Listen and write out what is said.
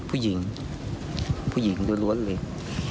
ผู้หญิงผู้หญิงล้วนเลย